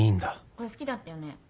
これ好きだったよね。